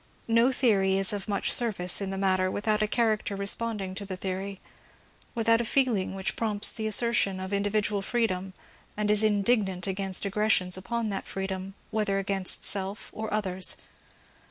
No theory is of much service in the matter without a chaiucter responding to the theory — without a feeling which prompts the assertion of individual freedom, and is indignant against aggressions upon that freedom, whether against self or others.